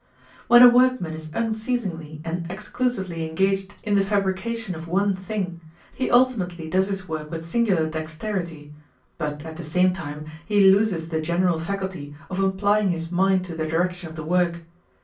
When a workman is unceasingly and exclusively engaged in the fabrication of one thing, he ultimately does his work with singular dexterity; but at the same time he loses the general faculty of applying his mind to the direction of the work.